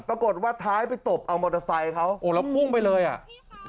ปรากฏว่าท้ายไปตบเอามอเตอร์ไซค์เขาโอ้แล้วพุ่งไปเลยอ่ะ